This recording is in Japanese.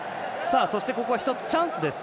ここは一つ、チャンスです。